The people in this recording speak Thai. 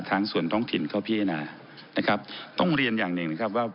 ทางส่วนท้องถิ่นเขาพิจารณานะครับต้องเรียนอย่างหนึ่งนะครับว่า